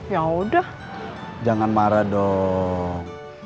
yaudah jangan marah dong